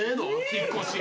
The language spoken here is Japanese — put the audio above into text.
引っ越し。